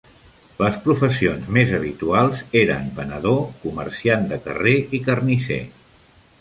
Les professions més habituals eren venedor, comerciant de carrer i carnisser.